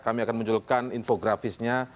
kami akan menunjukkan infografisnya